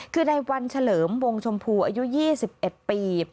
คือในวันเฉลิมวงชมพูอายุ๒๑ปี